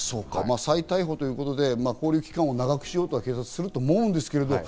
再逮捕ということで勾留期間を長くしようとはすると思うんですけど。